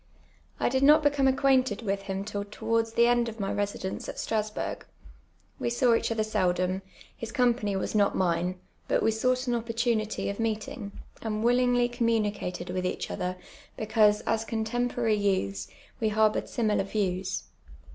I did not become acquainted with him till towards the end of my residence at Strasburcf. We saw each other seldom, his com])any was not mine, but we soup^ht an op])ortunity of meetinjj:. and willint^ly communicated with each other, because, as cotemporarv youths, we harboured similar vic>ws.